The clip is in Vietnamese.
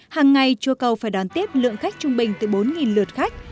hàng ngày chùa cầu phải đón tiếp lượng khách trung bình từ bốn lượt khách